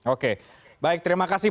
oke baik terima kasih